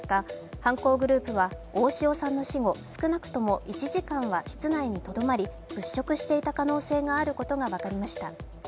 犯行グループは大塩衣与さんの死後、少なくとも１時間は室内にとどまり物色していた可能性があることが分かりました。